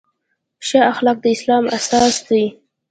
ښه اخلاق د اسلام اساس دی.